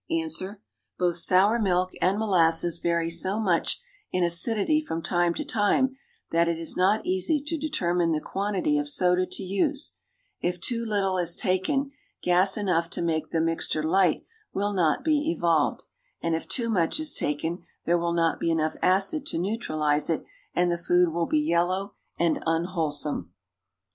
^ 77 Alls. Buth sour milk and molasses vary so much in acidity from time to time that it is not easy to determine the quantity of soda to use; if too little is taken, gas enough to make the mix ture light will not be evols^ed, and if too much is taken there will not be enough acid to neutralize it and the food will be yellow and unwholesome.